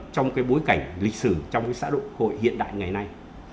trong bối cảnh lịch sử trong xã hội hiện đại ngày nay